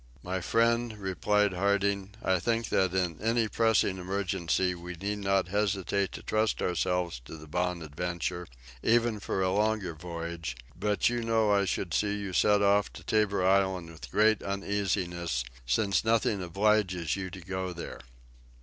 "My friend," replied Harding, "I think that in any pressing emergency we need not hesitate to trust ourselves to the 'Bonadventure' even for a longer voyage; but you know I should see you set off to Tabor Island with great uneasiness, since nothing obliges you to go there."